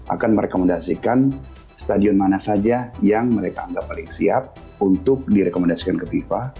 akan merekomendasikan stadion mana saja yang mereka anggap paling siap untuk direkomendasikan ke fifa